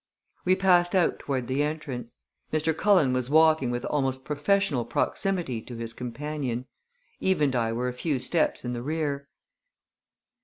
We passed out toward the entrance. Mr. Cullen was walking with almost professional proximity to his companion. Eve and I were a few steps in the rear.